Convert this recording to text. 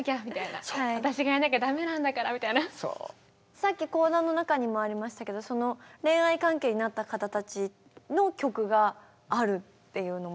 さっき講談の中にもありましたけど恋愛関係になった方たちの曲があるっていうのも。